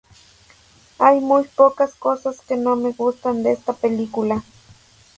Hay muy pocas cosas que no me gustan de esta película.